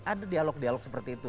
ada dialog dialog seperti itu